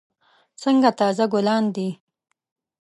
څنګه تازه ګلان دي.